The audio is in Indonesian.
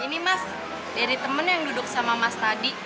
ini mas dari temen yang duduk sama mas tadi